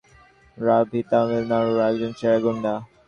রাভি তামিলনাড়ুর একজন সেরা গুন্ডা।